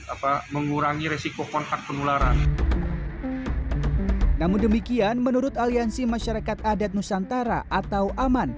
apa mengurangi resiko kontak penularan namun demikian menurut aliansi masyarakat adat nusantara atau aman